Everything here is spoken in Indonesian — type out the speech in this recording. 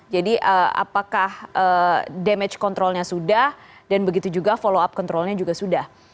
jadi apakah damage controlnya sudah dan begitu juga follow up controlnya juga sudah